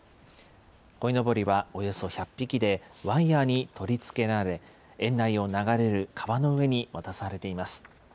こいのぼりはおよそ１００匹で、ワイヤーに取り付けられ、園内を流れる川の上に渡されています。